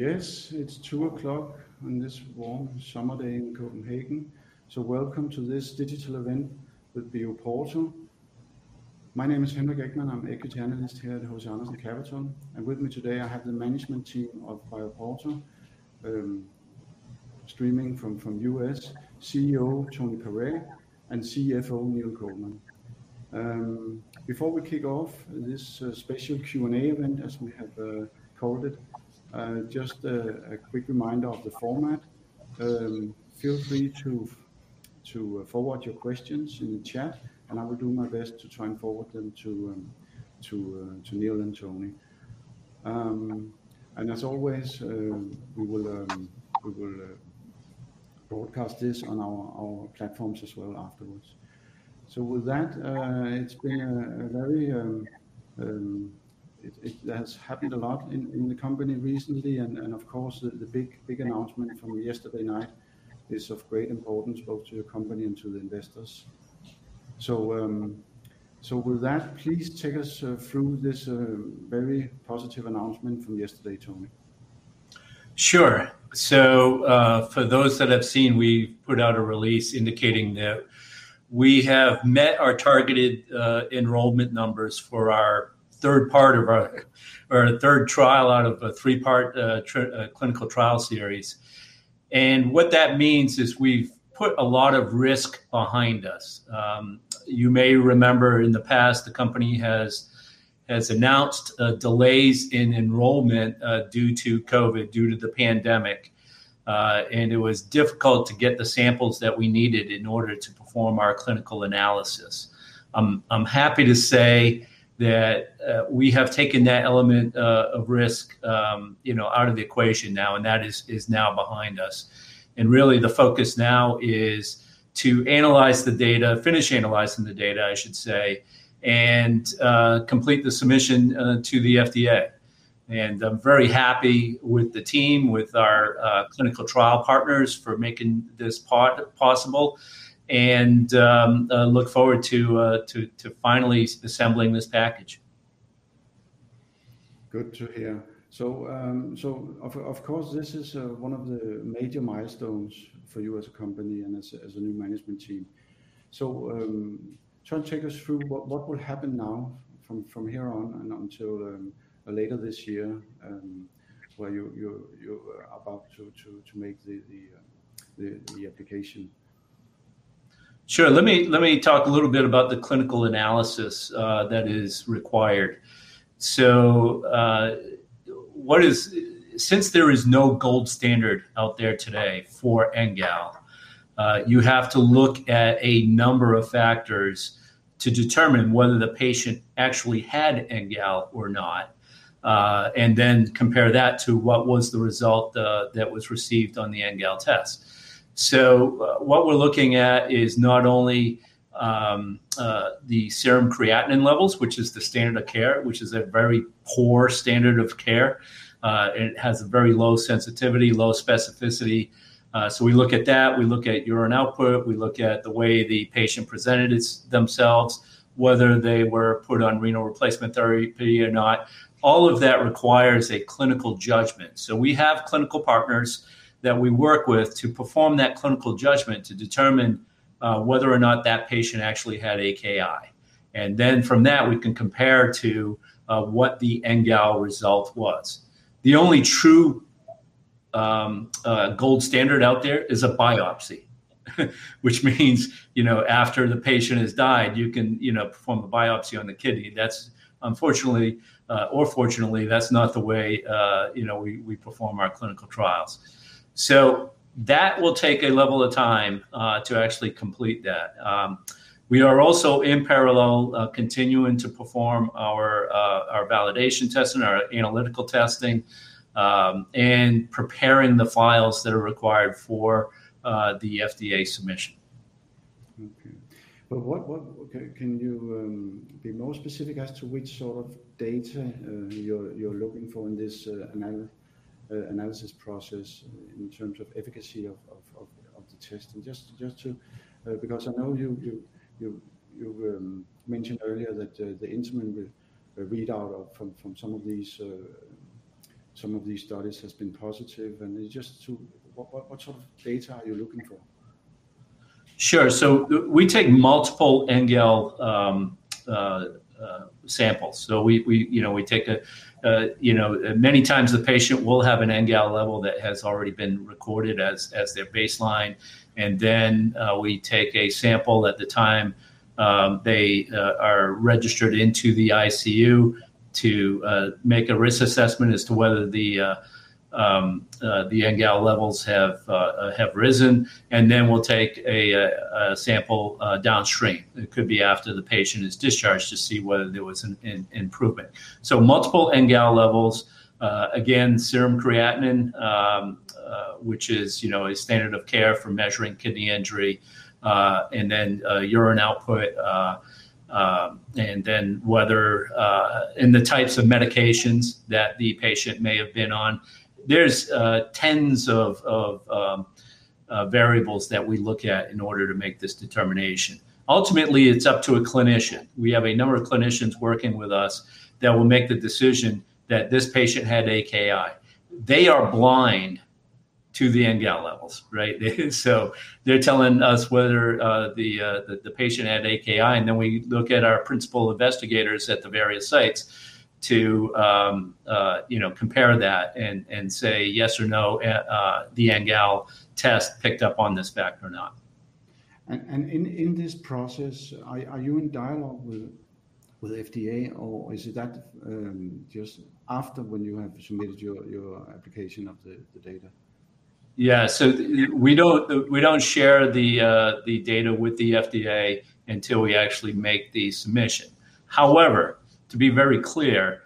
Yes, it's 2:00PM on this warm summer day in Copenhagen. Welcome to this Digital Event with BioPorto. My name is Henrik Ekman. I'm Equity Analyst here at Handelsbanken Capital Markets, and with me today I have the management team of BioPorto, streaming from US, CEO Tony Pare and CFO Neil Goldman. Before we kick off this special Q&A event as we have called it, just a quick reminder of the format. Feel free to forward your questions in the chat, and I will do my best to try and forward them to Neil and Tony. As always, we will broadcast this on our platforms as well afterwards. With that, it has happened a lot in the company recently and of course, the big announcement from yesterday night is of great importance both to your company and to the investors. With that, please take us through this very positive announcement from yesterday, Tony. Sure. For those that have seen, we put out a release indicating that we have met our targeted enrollment numbers for our third trial out of a three-part clinical trial series. What that means is we've put a lot of risk behind us. You may remember in the past, the company has announced delays in enrollment due to COVID, due to the pandemic. It was difficult to get the samples that we needed in order to perform our clinical analysis. I'm happy to say that we have taken that element of risk you know out of the equation now, and that is now behind us. Really the focus now is to analyze the data, finish analyzing the data, I should say, and complete the submission to the FDA. I'm very happy with the team, with our clinical trial partners for making this part possible and look forward to finally assembling this package. Good to hear. Of course, this is one of the major milestones for you as a company and as a new management team. Try and take us through what would happen now from here on and until later this year, where you're about to make the application. Sure. Let me talk a little bit about the clinical analysis that is required. Since there is no gold standard out there today for NGAL, you have to look at a number of factors to determine whether the patient actually had NGAL or not and then compare that to what was the result that was received on the NGAL test. What we're looking at is not only the serum creatinine levels, which is the standard of care, which is a very poor standard of care. It has a very low sensitivity, low specificity. We look at that. We look at urine output. We look at the way the patient presented themselves, whether they were put on renal replacement therapy or not. All of that requires a clinical judgment. We have clinical partners that we work with to perform that clinical judgment to determine whether or not that patient actually had AKI. Then from that, we can compare to what the NGAL result was. The only true gold standard out there is a biopsy, which means, you know, after the patient has died, you can, you know, perform a biopsy on the kidney. That's unfortunately or fortunately, that's not the way, you know, we perform our clinical trials. That will take a level of time to actually complete that. We are also in parallel continuing to perform our validation testing, our analytical testing, and preparing the files that are required for the FDA submission. Okay. Can you be more specific as to which sort of data you're looking for in this analysis process in terms of efficacy of the testing? Because I know you mentioned earlier that the interim readout from some of these studies has been positive. What sort of data are you looking for? Sure. We take multiple NGAL samples. Many times the patient will have an NGAL level that has already been recorded as their baseline, and then we take a sample at the time they are registered into the ICU to make a risk assessment as to whether the NGAL levels have risen, and then we'll take a sample downstream. It could be after the patient is discharged to see whether there was an improvement. Multiple NGAL levels, again, serum creatinine, which is, you know, a standard of care for measuring kidney injury, and then urine output, and then whether, and the types of medications that the patient may have been on. There's tens of variables that we look at in order to make this determination. Ultimately, it's up to a clinician. We have a number of clinicians working with us that will make the decision that this patient had AKI. They are blind to the NGAL levels, right? They're telling us whether the patient had AKI, and then we look at our principal investigators at the various sites to you know compare that and say, "Yes or no, the NGAL test picked up on this fact or not. In this process, are you in dialogue with FDA, or is it that just after when you have submitted your application of the data? Yeah. We don't share the data with the FDA until we actually make the submission. However, to be very clear,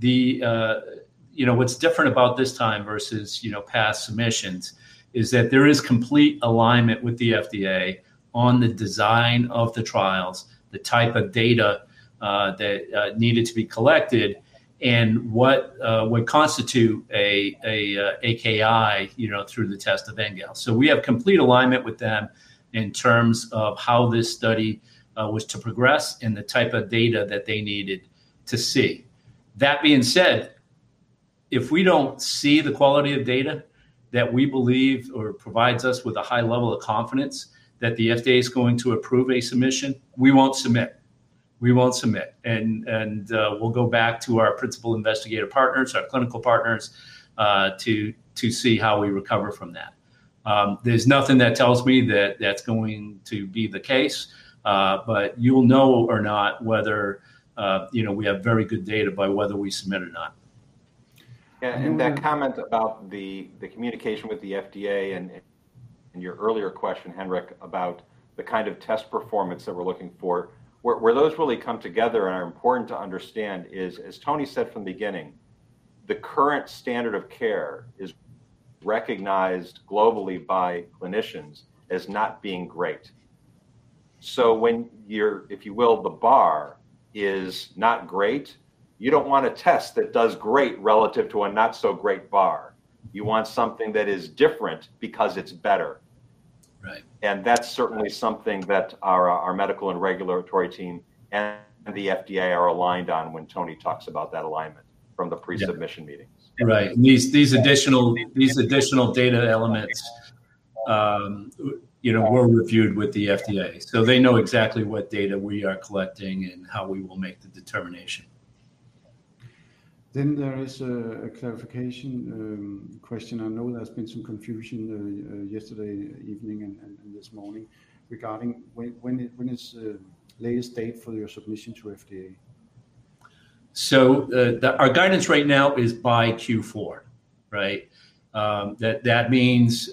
you know, what's different about this time versus, you know, past submissions is that there is complete alignment with the FDA on the design of the trials, the type of data that needed to be collected and what would constitute a AKI, you know, through the test of NGAL. We have complete alignment with them in terms of how this study was to progress and the type of data that they needed to see. That being said, if we don't see the quality of data that we believe or provides us with a high level of confidence that the FDA is going to approve a submission, we won't submit. We won't submit. We'll go back to our principal investigator partners, our clinical partners, to see how we recover from that. There's nothing that tells me that that's going to be the case, but you'll know or not whether you know we have very good data by whether we submit or not. Mm-hmm. In that comment... about the communication with the FDA and in your earlier question, Henrik, about the kind of test performance that we're looking for, where those really come together and are important to understand is, as Tony said from the beginning, the current standard of care is recognized globally by clinicians as not being great. When you're, if you will, the bar is not great, you don't want a test that does great relative to a not-so-great bar. You want something that is different because it's better. Right. That's certainly something that our medical and regulatory team and the FDA are aligned on when Tony talks about that alignment from the pre-submission meetings. Right. These additional data elements, you know, were reviewed with the FDA. They know exactly what data we are collecting and how we will make the determination. There is a clarification question. I know there's been some confusion yesterday evening and this morning regarding when is the latest date for your submission to FDA? Our guidance right now is by fourth quarter, right? That means,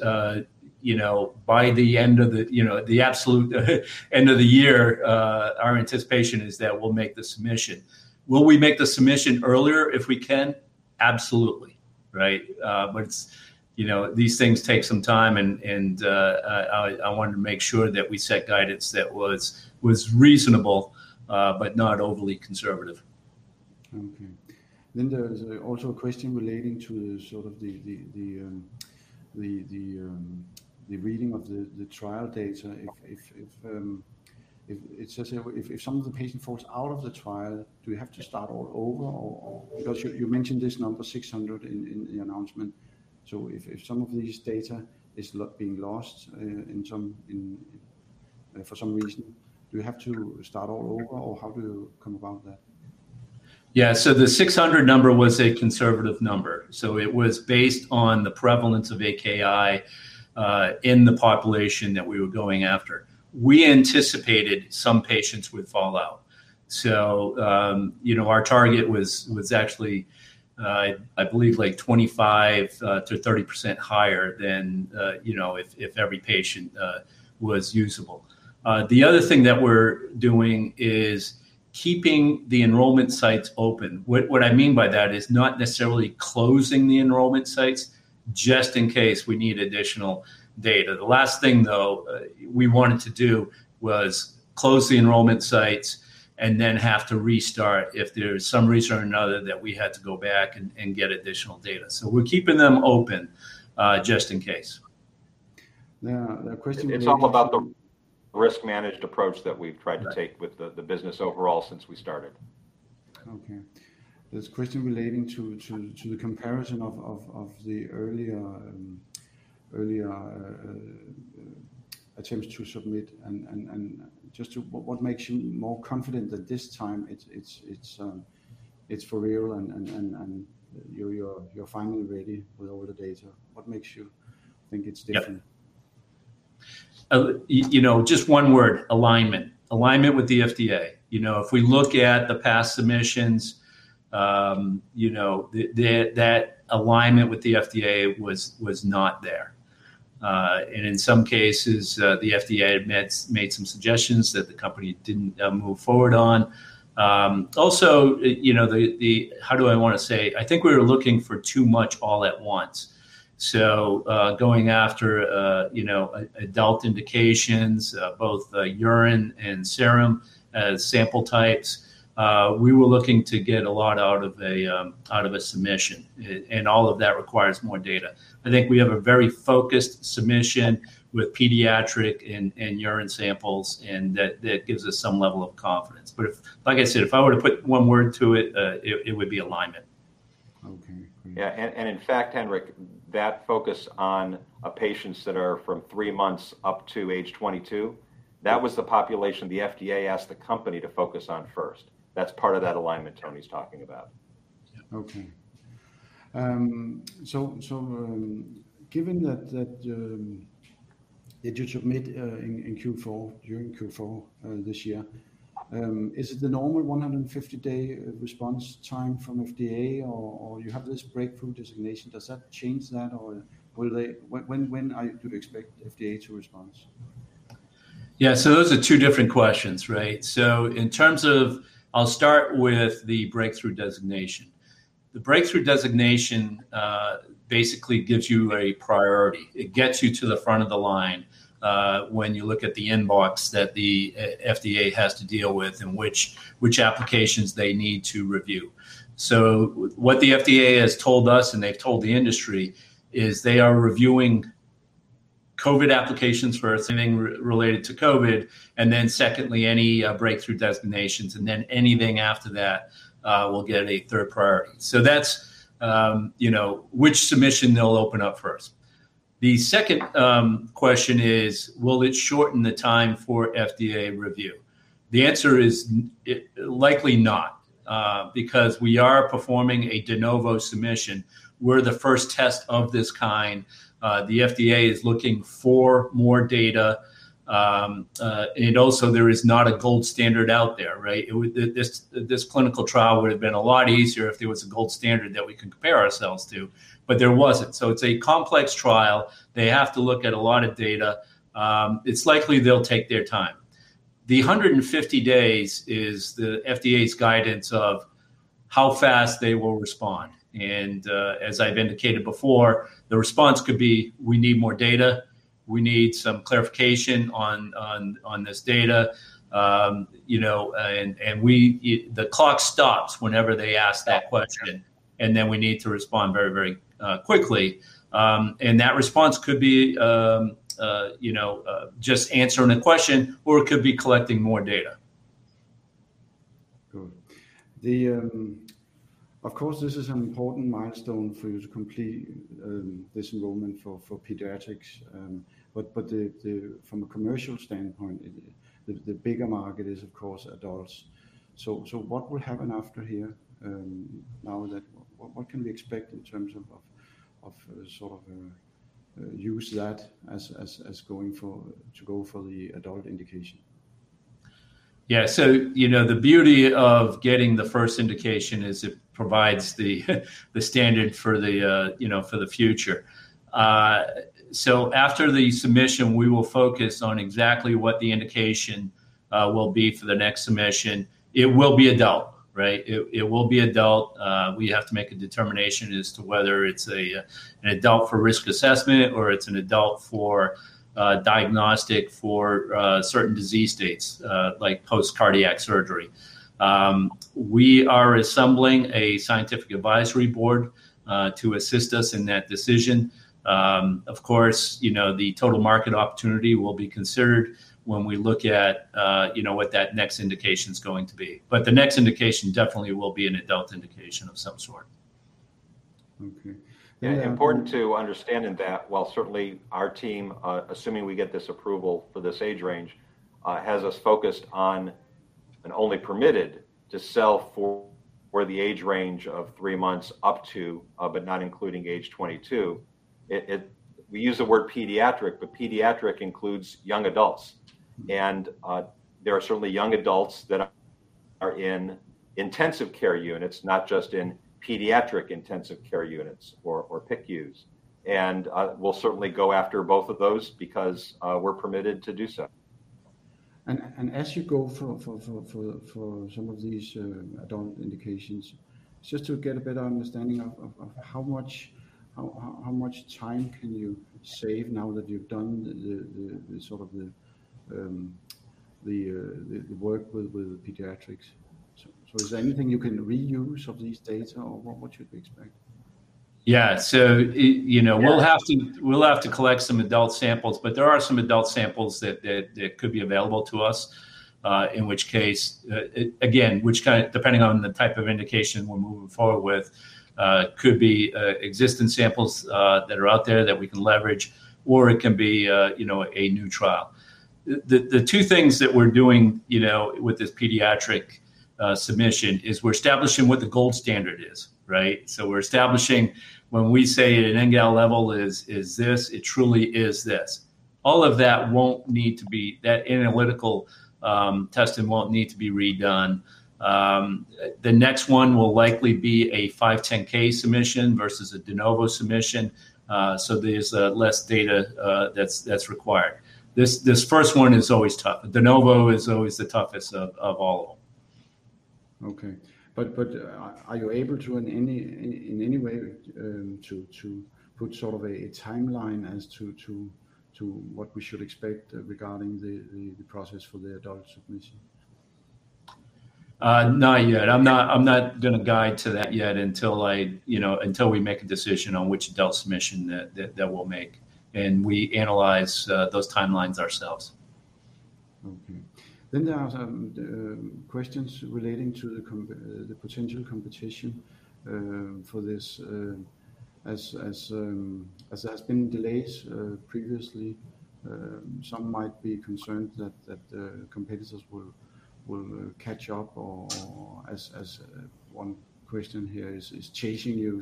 you know, by the end of the absolute end of the year, our anticipation is that we'll make the submission. Will we make the submission earlier if we can? Absolutely. Right? But it's, you know, these things take some time and, I wanted to make sure that we set guidance that was reasonable, but not overly conservative. Okay. There is also a question relating to sort of the reading of the trial data. If some of the patient falls out of the trial, do you have to start all over or? Because you mentioned this number 600 in the announcement. So, if some of these data is being lost in some for some reason, do you have to start all over or how do you come about that? Yeah. The 600 number was a conservative number. It was based on the prevalence of AKI in the population that we were going after. We anticipated some patients would fall out. You know, our target was actually, I believe like 25% to 30% higher than, you know, if every patient was usable. The other thing that we're doing is keeping the enrollment sites open. What I mean by that is not necessarily closing the enrollment sites just in case we need additional data. The last thing, though, we wanted to do was close the enrollment sites and then have to restart if there's some reason or another that we had to go back and get additional data. We're keeping them open just in case. Now, a question relating to... It's all about the risk-managed approach that we've tried to take with the business overall since we started. Okay. There's a question relating to the comparison of the earlier attempts to submit. What makes you more confident that this time it's for real and you're finally ready with all the data? What makes you think it's different? Yep. You know, just one word, alignment. Alignment with the FDA. You know, if we look at the past submissions, you know, that alignment with the FDA was not there. And in some cases, the FDA had made some suggestions that the company didn't move forward on. Also, you know, How do I want to say? I think we were looking for too much all at once. Going after, you know, adult indications, both the urine and serum sample types, we were looking to get a lot out of a submission and all of that requires more data. I think we have a very focused submission with pediatric and urine samples and that gives us some level of confidence. Like I said, if I were to put one word to it would be alignment. Okay. Great. Yeah. In fact, Henrik, that focus on patients that are from three months up to age 22, that was the population the FDA asked the company to focus on first. That's part of that alignment Tony's talking about. Yeah. Okay. Given that you submit in fourth quarter this year, is it the normal 150-day response time from FDA or you have this breakthrough designation, does that change that or will they, when are you to expect FDA to respond? Yeah. Those are two different questions, right? In terms of, I'll start with the breakthrough designation. The breakthrough designation basically gives you a priority. It gets you to the front of the line when you look at the inbox that the FDA has to deal with and which applications they need to review. What the FDA has told us, and they've told the industry, is they are reviewing COVID applications for anything related to COVID, and then secondly, any breakthrough designations, and then anything after that will get a third priority. That's, you know, which submission they'll open up first. The second question is, will it shorten the time for FDA review? The answer is likely not because we are performing a De Novo submission. We're the first test of this kind. The FDA is looking for more data. There is not a gold standard out there, right? This clinical trial would have been a lot easier if there was a gold standard that we could compare ourselves to, but there wasn't. It's a complex trial. They have to look at a lot of data. It's likely they'll take their time. The 150 days is the FDA's guidance of how fast they will respond. As I've indicated before, the response could be, "We need more data. We need some clarification on this data." You know, the clock stops whenever they ask that question, and then we need to respond very quickly. That response could be, you know, just answering a question or it could be collecting more data. Good. Of course, this is an important milestone for you to complete this enrollment for pediatrics. From a commercial standpoint, the bigger market is of course adults. What will happen after here? What can we expect in terms of sort of use that as to go for the adult indication? Yeah. You know, the beauty of getting the first indication is it provides the standard for the future. After the submission, we will focus on exactly what the indication will be for the next submission. It will be adult, right? It will be adult. We have to make a determination as to whether it's an adult for risk assessment or it's an adult for a diagnostic for certain disease states, like post-cardiac surgery. We are assembling a scientific advisory board to assist us in that decision. Of course, you know, the total market opportunity will be considered when we look at what that next indication is going to be. The next indication definitely will be an adult indication of some sort. Okay. Yeah. Important to understanding that while certainly our team, assuming we get this approval for this age range, has us focused on and only permitted to sell for the age range of three months up to, but not including age 22, it we use the word pediatric, but pediatric includes young adults. There are certainly young adults that are in intensive care units, not just in pediatric intensive care units or PICUs. We'll certainly go after both of those because we're permitted to do so. As you go for some of these adult indications, just to get a better understanding of how much time can you save now that you've done the sort of work with pediatrics. Is there anything you can reuse of these data or what should we expect? Yeah. You know. Yeah. We'll have to collect some adult samples, but there are some adult samples that could be available to us. In which case, depending on the type of indication we're moving forward with, could be existing samples that are out there that we can leverage or it can be, you know, a new trial. The two things that we're doing, you know, with this pediatric submission is we're establishing what the gold standard is, right? So, we're establishing when we say an NGAL level is this, it truly is this. That analytical testing won't need to be redone. The next one will likely be a 510(k) submission versus a De Novo submission. There's less data that's required. This first one is always tough. De Novo is always the toughest of all of them. Are you able to in any way to put sort of a timeline as to what we should expect regarding the process for the adult submission? Not yet. I'm not gonna guide to that yet until you know, until we make a decision on which adult submission that we'll make, and we analyze those timelines ourselves. Okay. There are some questions relating to the potential competition for this, as there has been delays previously. Some might be concerned that competitors will catch up or as one question here is chasing you,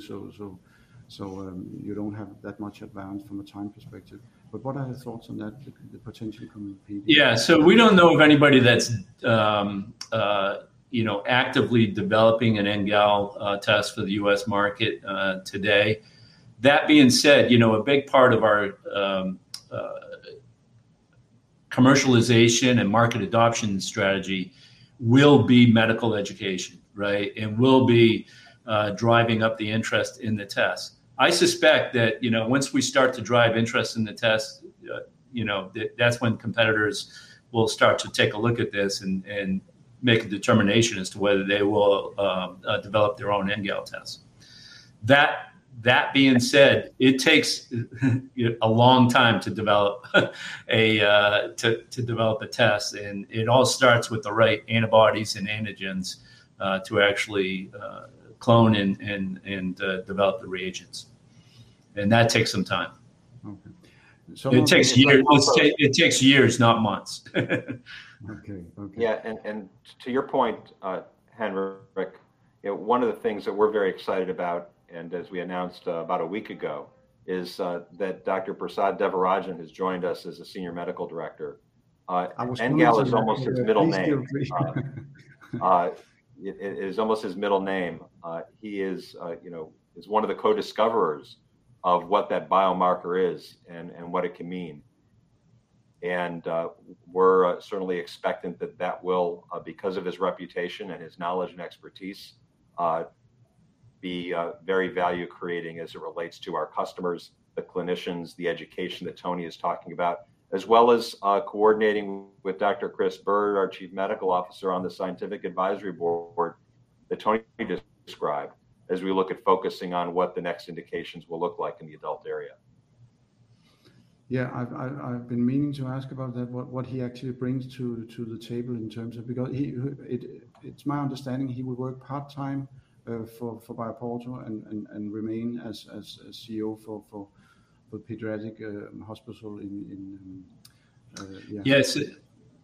so you don't have that much advance from a time perspective. What are your thoughts on that, the potential competition? Yeah. We don't know of anybody that's you know actively developing an NGAL test for the US market today. That being said, you know a big part of our commercialization and market adoption strategy will be medical education, right? Will be driving up the interest in the test. I suspect that you know once we start to drive interest in the test you know that's when competitors will start to take a look at this and make a determination as to whether they will develop their own NGAL test. That being said, it takes you know a long time to develop a test, and it all starts with the right antibodies and antigens to actually clone and develop the reagents, and that takes some time. Okay. It takes years... It takes years, not months. Okay. Okay. To your point, Henrik, you know, one of the things that we're very excited about, and as we announced about a week ago, is that Dr. Prasad Devarajan has joined us as a Senior Medical Director. I was listening... NGAL is almost his middle name... Nice to hear of this. It is almost his middle name. He is, you know, one of the co-discoverers of what that biomarker is and what it can mean. We're certainly expecting that will, because of his reputation and his knowledge and expertise, be very value-creating as it relates to our customers, the clinicians, the education that Tony is talking about, as well as coordinating with Dr. Chris Bird, our Chief Medical Officer, on the scientific advisory board that Tony just described, as we look at focusing on what the next indications will look like in the adult area. Yeah. I've been meaning to ask about that, what he actually brings to the table in terms of. Because it's my understanding he will work part-time for BioPorto and remain as CEO for pediatric hospital. Yes.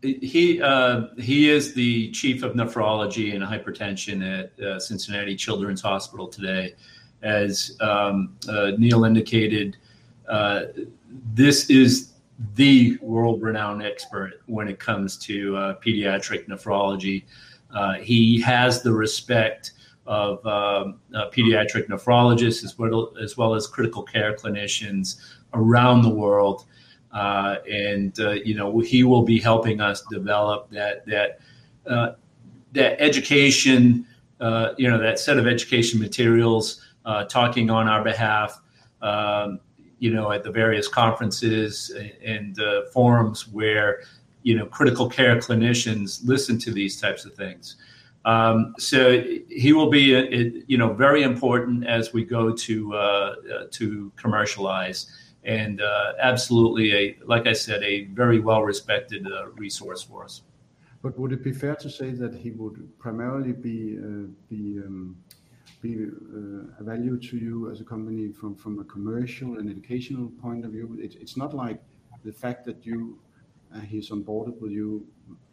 He is the chief of nephrology and hypertension at Cincinnati Children's Hospital today. As Neil indicated, this is the world-renowned expert when it comes to pediatric nephrology. He has the respect of pediatric nephrologists as well as critical care clinicians around the world. You know, he will be helping us develop that education, you know, that set of education materials, talking on our behalf, you know, at the various conferences and forums where, you know, critical care clinicians listen to these types of things. He will be a, you know, very important as we go to commercialize and, absolutely a, like I said, a very well-respected resource for us. Would it be fair to say that he would primarily be a value to you as a company from a commercial and educational point of view? It's not like the fact that he's on board with you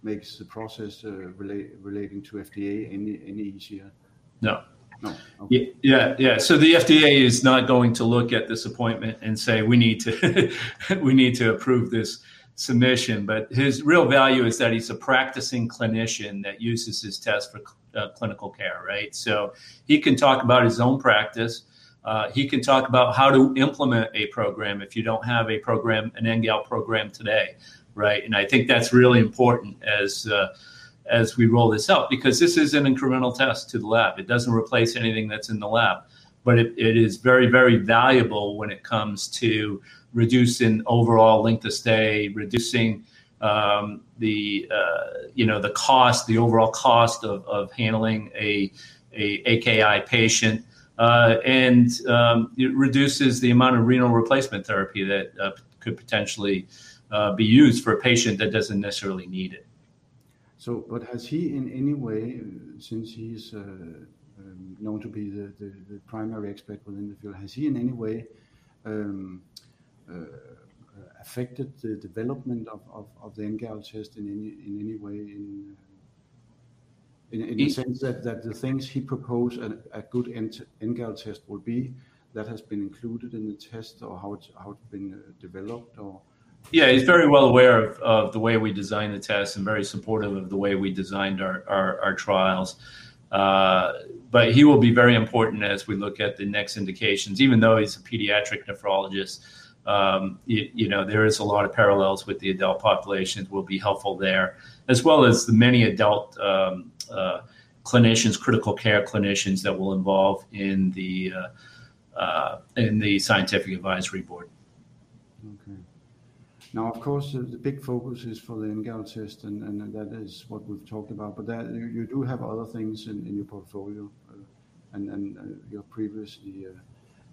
makes the process relating to FDA any easier. No. No. Okay. Yeah. The FDA is not going to look at this appointment and say, "We need to approve this submission." His real value is that he's a practicing clinician that uses his test for clinical care, right? He can talk about his own practice. He can talk about how to implement a program if you don't have a program, an NGAL program today, right? I think that's really important as we roll this out, because this is an incremental test to the lab. It doesn't replace anything that's in the lab. It is very, very valuable when it comes to reducing overall length of stay, reducing, you know, the cost, the overall cost of handling AKI patient. It reduces the amount of renal replacement therapy that could potentially be used for a patient that doesn't necessarily need it. Has he in any way, since he's known to be the primary expert within the field, affected the development of the NGAL test in any way in the sense that the things he proposed a good NGAL test would be, that has been included in the test or how it's been developed or? Yeah. He's very well aware of the way we designed the test and very supportive of the way we designed our trials. He will be very important as we look at the next indications, even though he's a pediatric nephrologist, you know, there is a lot of parallels with the adult population, will be helpful there. As well as the many adult clinicians, critical care clinicians that will involve in the scientific advisory board. Okay. Now, of course, the big focus is for the NGAL test and that is what we've talked about. You do have other things in your portfolio, and you have previously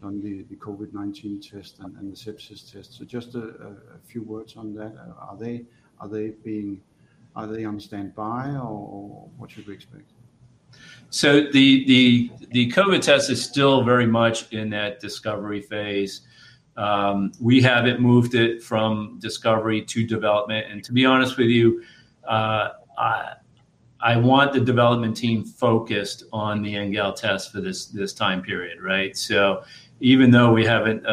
done the COVID-19 test and the sepsis test. Just a few words on that. Are they on standby or what should we expect? The COVID test is still very much in that discovery phase. We haven't moved it from discovery to development, and to be honest with you, I want the development team focused on the NGAL test for this time period, right? Even though we haven't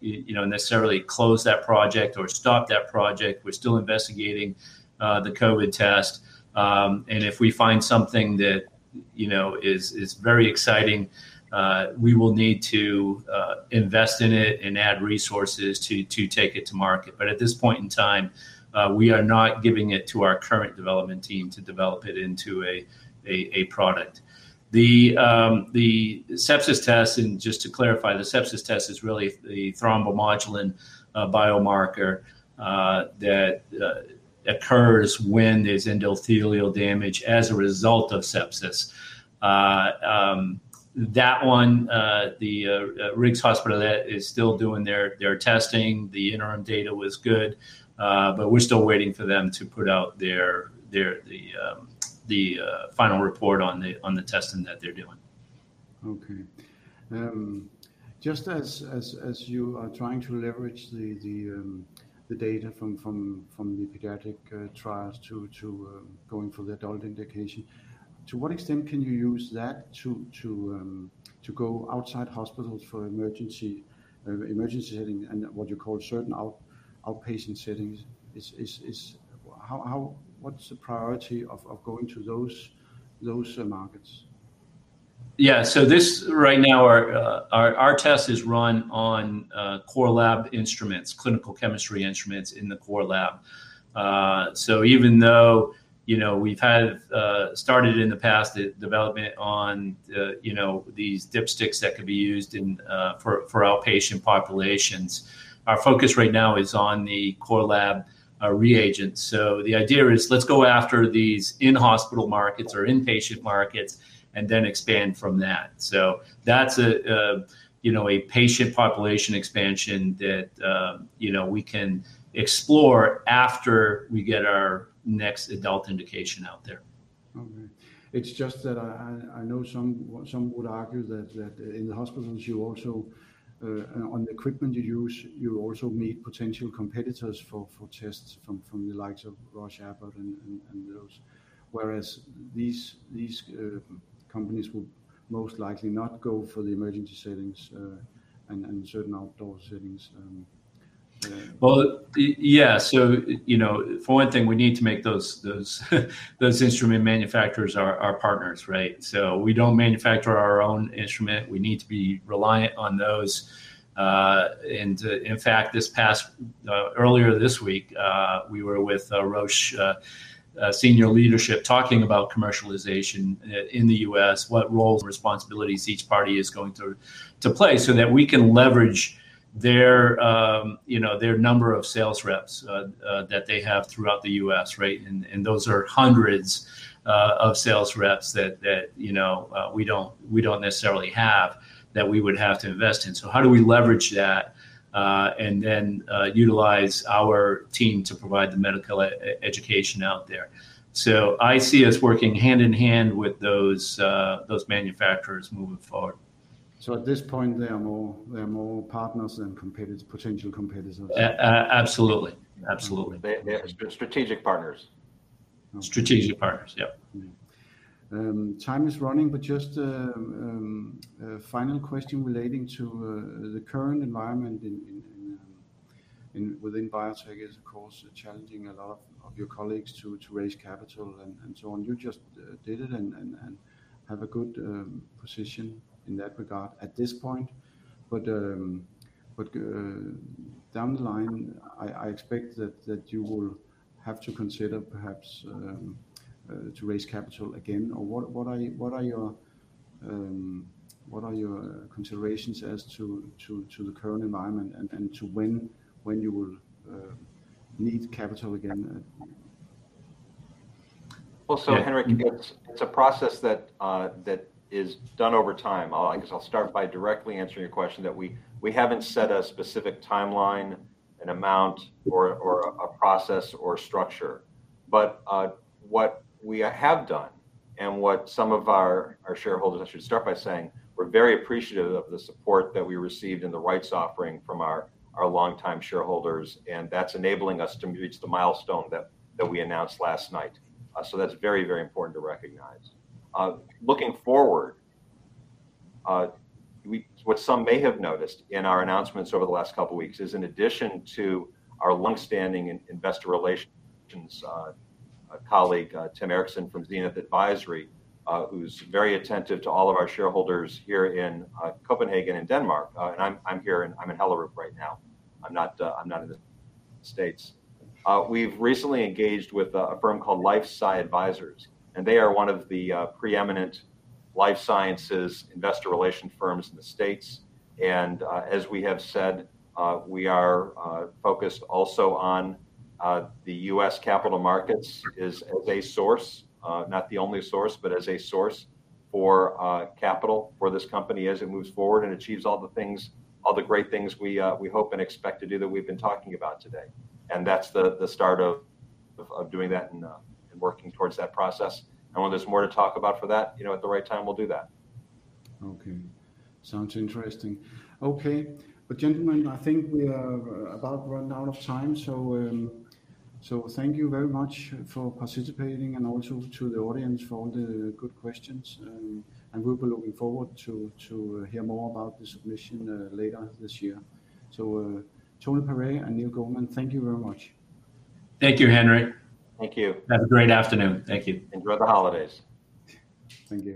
you know necessarily closed that project or stopped that project, we're still investigating the COVID test, and if we find something that you know is very exciting, we will need to invest in it and add resources to take it to market. At this point in time, we are not giving it to our current development team to develop it into a product. The sepsis test, and just to clarify, the sepsis test is really the thrombomodulin biomarker that occurs when there's endothelial damage as a result of sepsis. That one, the Rigshospitalet, that is still doing their testing. The interim data was good, but we're still waiting for them to put out their final report on the testing that they're doing. Okay. Just as you are trying to leverage the data from the pediatric trials to going for the adult indication, to what extent can you use that to go outside hospitals for emergency setting and what you call certain outpatient settings? What's the priority of going to those markets? Yeah. Right now, our test is run on core lab instruments, clinical chemistry instruments in the core lab. Even though, you know, we've had started in the past the development on, you know, these dipsticks that could be used in for outpatient populations, our focus right now is on the core lab reagents. The idea is let's go after these in-hospital markets or inpatient markets and then expand from that. That's a, you know, patient population expansion that, you know, we can explore after we get our next adult indication out there. Okay. It's just that I know some would argue that in the hospitals you also on the equipment you use, you also meet potential competitors for tests from the likes of Roche, Abbott and those. Whereas these companies will most likely not go for the emergency settings and certain outdoor settings. Well, yes. You know, for one thing, we need to make those instrument manufacturers our partners, right? We don't manufacture our own instrument. We need to be reliant on those. In fact, this past earlier this week, we were with Roche senior leadership talking about commercialization in the US, what roles and responsibilities each party is going to play so that we can leverage their, you know, their number of sales reps that they have throughout the US, right? Those are hundreds of sales reps that, you know, we don't necessarily have that we would have to invest in. How do we leverage that, and then utilize our team to provide the medical education out there? I see us working hand-in-hand with those manufacturers moving forward. At this point, they're more partners than competitors, potential competitors. Absolutely. They're strategic partners. Strategic partners, yep. Yeah. Time is running, but just a final question relating to the current environment within biotech is of course challenging a lot of your colleagues to raise capital and so on. You just did it and have a good position in that regard at this point. Down the line, I expect that you will have to consider perhaps to raise capital again. Or what are your considerations as to the current environment and to when you will need capital again? Well, Henrik... Yeah. It's a process that is done over time. I guess I'll start by directly answering your question that we haven't set a specific timeline, an amount or a process or structure. What we have done and what some of our shareholders, I should start by saying we're very appreciative of the support that we received in the rights offering from our longtime shareholders, and that's enabling us to reach the milestone that we announced last night. That's very important to recognize. Looking forward, what some may have noticed in our announcements over the last couple weeks is in addition to our longstanding investor relations colleague, Tim Eriksen from Zenith Advisory, who's very attentive to all of our shareholders here in Copenhagen and Denmark, and I'm here in Hellerup right now. I'm not in the States. We've recently engaged with a firm called LifeSci Advisors, and they are one of the preeminent life sciences investor relations firms in the States. As we have said, we are focused also on the US capital markets as a source, not the only source, but as a source for capital for this company as it moves forward and achieves all the things, all the great things we hope and expect to do that we've been talking about today. That's the start of doing that and working towards that process. When there's more to talk about for that, you know, at the right time, we'll do that. Okay. Sounds interesting. Okay. Gentlemen, I think we are about to run out of time. Thank you very much for participating and also to the audience for all the good questions. We'll be looking forward to hear more about the submission later this year. Tony Pare and Neil Goldman, thank you very much. Thank you, Henrik. Thank you. Have a great afternoon. Thank you. Enjoy the holidays. Thank you.